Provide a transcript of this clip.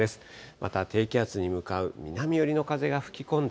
また低気圧に向かう南寄りの風が吹き込む。